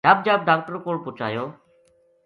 جھب جھب ڈاکٹر کول پوہچایو